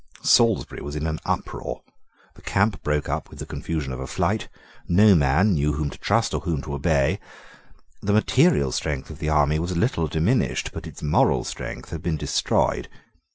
Salisbury was in an uproar. The camp broke up with the confusion of a flight. No man knew whom to trust or whom to obey. The material strength of the army was little diminished: but its moral strength had been destroyed.